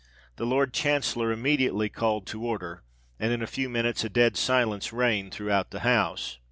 The Lord Chancellor immediately called to order; and in a few minutes a dead silence reigned throughout the House.